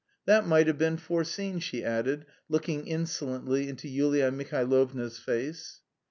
"That might have been foreseen," she added, looking insolently into Yulia Mihailovna's face.